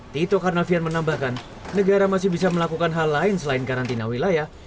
tito karnavian menambahkan negara masih bisa melakukan hal lain selain karantina wilayah